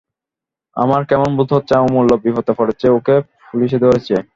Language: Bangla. আমার কেমন বোধ হচ্ছে, অমূল্য বিপদে পড়েছে, ওকে পুলিসে ধরেছে।